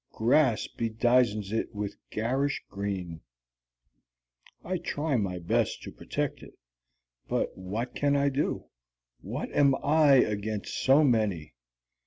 Grass bedizens it with garish green. I try my best to protect it but what can I do? What am I against so many?